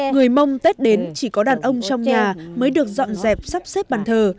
người mông tết đến chỉ có đàn ông trong nhà mới được dọn dẹp sắp xếp bàn thờ